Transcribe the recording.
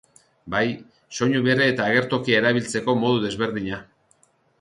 Bai, soinu berria eta agertokia erabiltzeko modu desberdina.